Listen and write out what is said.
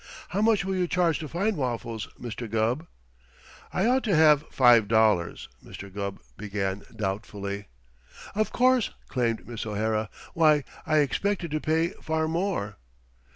"How much will you charge to find Waffles, Mr. Gubb?" "I'd ought to have five dollars " Mr. Gubb began doubtfully. "Of course!" exclaimed Miss O'Hara. "Why, I expected to pay far more."